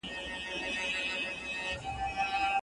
ناځوا ني